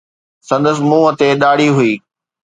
سندس منهن تي ڏاڙهي هئي